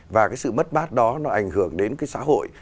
và cái sự mất bát đó nó ảnh hưởng đến cái xã hội